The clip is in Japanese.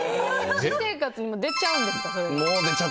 私生活にも出ちゃうんですか。